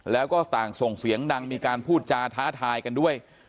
แล้วก็ต่างส่งเสียงดังมีการพูดจาท้าทายกันด้วย